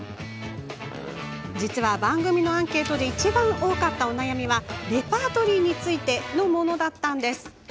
実は番組アンケートでいちばん多かったお悩みがレパートリーについてのものだったんです。